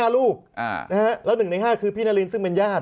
ลูกแล้ว๑ใน๕คือพี่นารินซึ่งเป็นญาติ